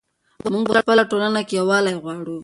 موږ په خپله ټولنه کې یووالی غواړو.